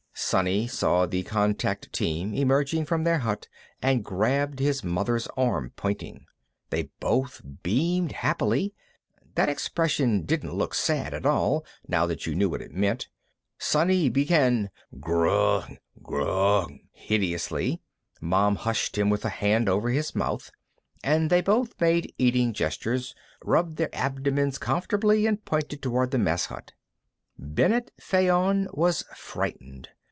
Sonny saw the contact team emerging from their hut and grabbed his mother's arm, pointing. They both beamed happily; that expression didn't look sad, at all, now that you knew what it meant. Sonny began ghroogh ghrooghing hideously; Mom hushed him with a hand over his mouth, and they both made eating gestures, rubbed their abdomens comfortably, and pointed toward the mess hut. Bennet Fayon was frightened.